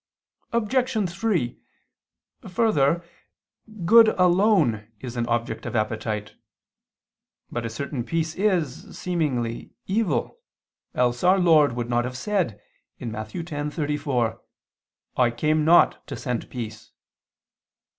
Obj. 3: Further, good alone is an object of appetite. But a certain peace is, seemingly, evil, else Our Lord would not have said (Matt. 10:34): "I came not to send peace."